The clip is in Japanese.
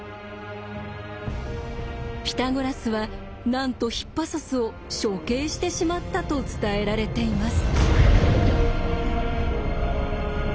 ピタゴラスはなんとヒッパソスを処刑してしまったと伝えられています。